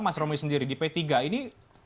mas romi sendiri di p tiga ini